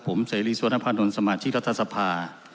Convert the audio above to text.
ผมเสรีสวทธพาณฑนสมาชิกรัฐสภา